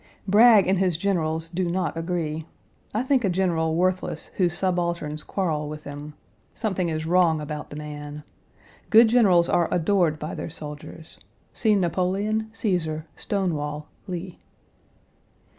Bragg and his generals do not agree. I think a general worthless whose subalterns quarrel with him. Something is wrong about the man. Good generals are adored by their soldiers. See Napoleon, Cæsar, Stonewall, Lee.